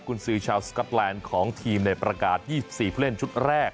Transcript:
กุญศือชาวสกัปแลนด์ของทีมในประกาศ๒๔เพื่อเล่นชุดแรก